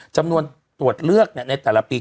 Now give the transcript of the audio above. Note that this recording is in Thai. จำนวนตรวจเลือกในแต่ละปี